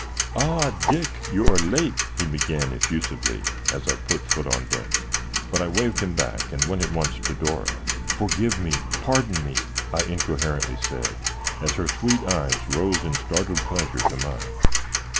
"Ah, Dick, you are late," he began, effusively, as I put foot on deck. But I waved him back and went at once to Dora. "Forgive me, pardon me," I incoherently said, as her sweet eyes rose in startled pleasure to mine.